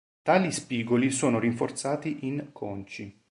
Tali spigoli sono rinforzati in conci.